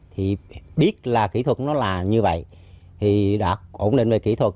thì biết là kỹ thuật nó là như vậy thì đã ổn định về kỹ thuật